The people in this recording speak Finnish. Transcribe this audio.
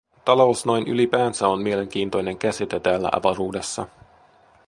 Talous noin ylipäänsä on mielenkiintoinen käsite täällä avaruudessa.